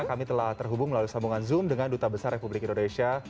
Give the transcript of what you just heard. kami telah terhubung melalui sambungan zoom dengan duta besar republik indonesia